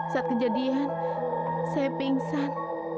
saat kejadian saya pingsan